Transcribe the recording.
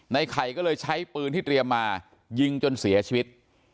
ในไข่ก็เลยใช้ปืนที่เตรียมมายิงจนเสียชีวิต